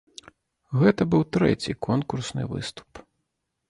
Гэта быў трэці конкурсны выступ.